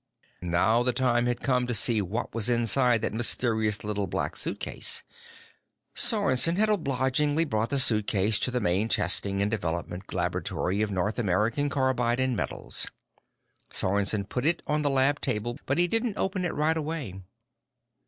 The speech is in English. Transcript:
Now the time had come to see what was inside that mysterious Little Black Suitcase. Sorensen had obligingly brought the suitcase to the main testing and development laboratory of North American Carbide & Metals. Sorensen put it on the lab table, but he didn't open it right away.